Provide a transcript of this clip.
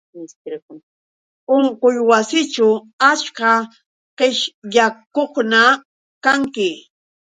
Unquywasićhu achka qishyaqkuna kanki